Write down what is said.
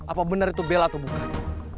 apa benar itu bela atau bukan